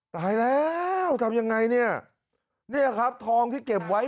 ตายแล้วทำยังไงเนี่ยเนี่ยครับทองที่เก็บไว้